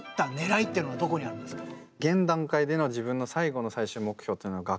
現段階での自分の最後の最終目標っていうのははあ。